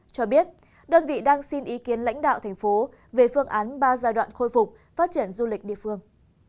cho biết đơn vị đang xin ý kiến lãnh đạo thành phố về phương án ba giai đoạn khôi phục phát triển du lịch địa phương